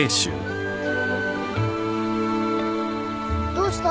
どうした？